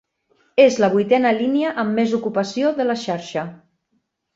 És la vuitena línia amb més ocupació de la xarxa.